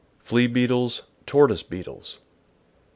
Flea Beetles, Tortoise Beetles.